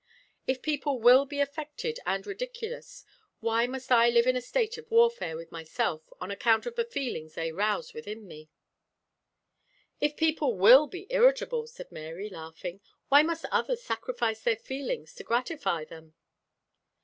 If people will be affected and ridiculous, why must I live in a state of warfare with myself on account of the feelings they rouse within me?" "If people will be irritable," said Mary, laughing, "why must others sacrifice their feelings to gratify them?"